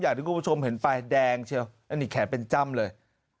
อย่างที่คุณผู้ชมเห็นไฟแดงเชียวอันนี้แขนเป็นจ้ำเลย